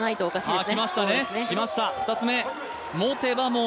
きました、２つ目。